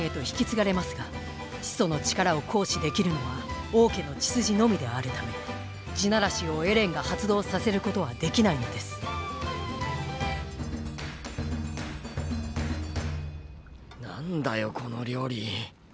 引き継がれますが始祖の力を行使できるのは王家の血筋のみであるため「地鳴らし」をエレンが発動させることはできないのです何だよこの料理。